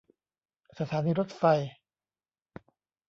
สถานีรถไฟ